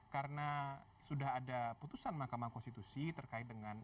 karena sudah ada putusan mahkamah konstitusi terkait dengan